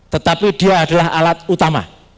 tetapi dia adalah alat utama